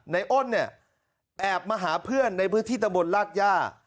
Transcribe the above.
อ้นเนี่ยแอบมาหาเพื่อนในพื้นที่ตะบนราชย่า